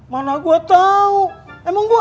mana gua tau emang gua tau